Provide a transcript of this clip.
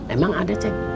emang ada cek